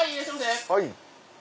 はい！